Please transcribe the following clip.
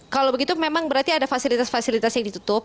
kalau begitu memang berarti ada fasilitas fasilitas yang ditutup